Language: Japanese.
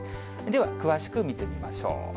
では、詳しく見てみましょう。